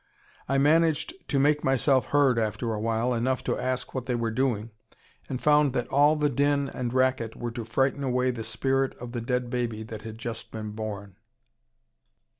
I managed to make myself heard after a while, enough to ask what they were doing, and found that all the din and racket were to frighten away the spirit of the dead baby that had just been born.